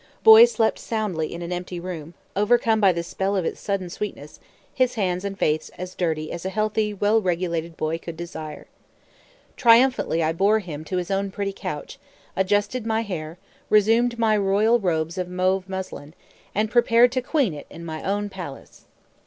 Boy slept soundly in an empty room, overcome by the spell of its sudden sweetness, his hands and face as dirty as a healthy, well regulated boy could desire. Triumphantly I bore him to his own pretty couch, adjusted my hair, resumed my royal robes of mauve muslin, and prepared to queen it in my own palace.